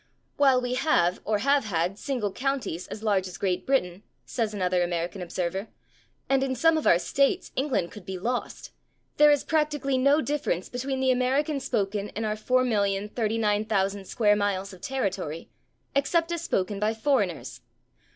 " "While we have or have had single counties as large as Great Britain," says another American observer, "and in some of our states England could be lost, there is practically no difference between the American spoken in our 4,039,000 square miles of territory, except as spoken by foreigners.